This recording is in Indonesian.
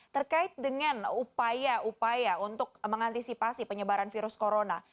terkait dengan upaya upaya untuk mengantisipasi penyebaran virus corona